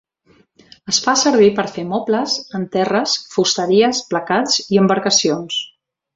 Es fa servir per a fer mobles, en terres, fusteries, placats i embarcacions.